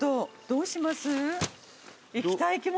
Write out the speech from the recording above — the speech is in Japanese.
どうします？